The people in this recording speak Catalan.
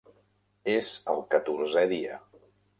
És el catorzè dia.